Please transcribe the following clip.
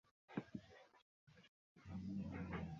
হেই, চলো।